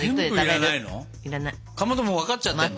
かまどもう分かっちゃってるの？